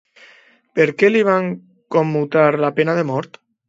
Per què li van commutar la pena de mort?